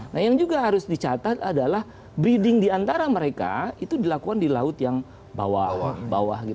nah yang juga harus dicatat adalah breeding di antara mereka itu dilakukan di laut yang bawah